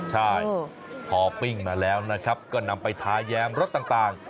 ใช่พอปิ้งมาแล้วนะครับก็นำไปทาแยมรสต่าง